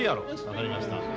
分かりました。